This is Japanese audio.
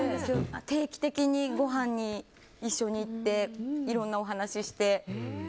定期的にごはんに一緒に行っていろんなお話して。